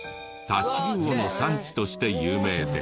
タチウオの産地として有名で。